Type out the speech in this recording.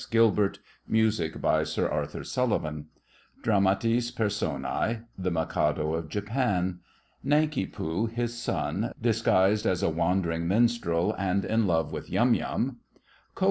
Gilbert Music by Sir Arthur Sullivan DRAMATIS PERSONAE. THE MIKADO OF JAPAN. NANKI POO (his Son, disguised as a wandering minstrel, and in love with Yum Yum).